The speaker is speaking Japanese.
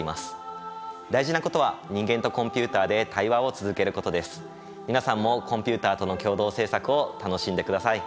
大事なことは皆さんもコンピュータとの共同制作を楽しんでください。